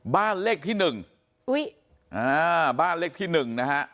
บ้านเลขที่หนึ่งอุ้ยอ่าบ้านเลขที่หนึ่งนะฮะ